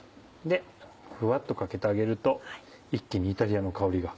ふわっとかけてあげると一気にイタリアの香りが。